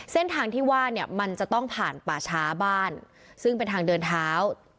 เส้นทางที่ว่าเนี่ยมันจะต้องผ่านป่าช้าบ้านซึ่งเป็นทางเดินเท้า